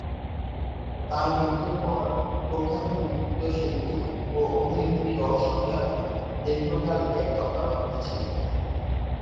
তার মৃত্যুর পর প্রখ্যাত নৃত্যশিল্পী ও অভিনেত্রী রওশন জামিল দীর্ঘকাল এর তত্ত্বাবধানে ছিলেন।